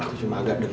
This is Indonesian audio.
aku cuma agak demam